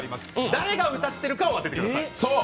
誰が歌っているかを当ててください。